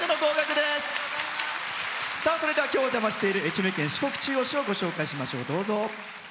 それでは今日、お邪魔している愛媛県四国中央市をご紹介しましょう。